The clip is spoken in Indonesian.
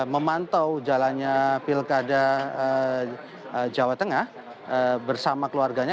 memantau jalannya pilkada jawa tengah bersama keluarganya